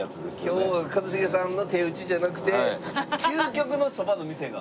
今日は一茂さんの手打ちじゃなくて究極のそばの店が。